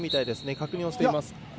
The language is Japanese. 確認をしています。